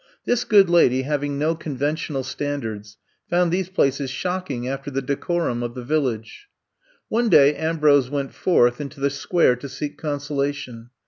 This good lady, having no conventional standards, found these places shocking after the decorum of the village. One day Ambrose went forth into the Square to seek consolation.